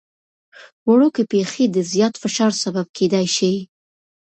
وړوکي پېښې د زیات فشار سبب کېدای شي.